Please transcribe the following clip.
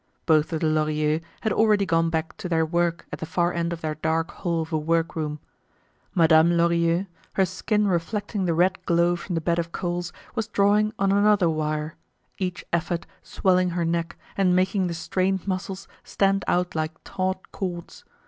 Both of the Lorilleux had already gone back to their work at the far end of their dark hole of a work room. Madame Lorilleux, her skin reflecting the red glow from the bed of coals, was drawing on another wire, each effort swelling her neck and making the strained muscles stand out like taut cords.